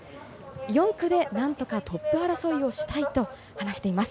４区で何とかトップ争いをしたいと話しています。